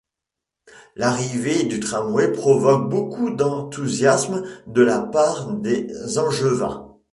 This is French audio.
L'arrivée du tramway provoque beaucoup d'enthousiasme de la part des Angevins.